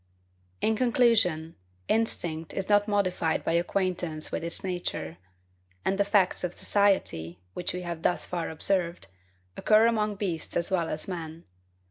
In conclusion, instinct is not modified by acquaintance with its nature; and the facts of society, which we have thus far observed, occur among beasts as well as men.